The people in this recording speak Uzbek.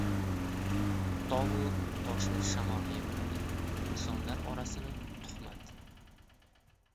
• Tog‘u toshni shamol yemiradi, insonlar orasini — tuhmat.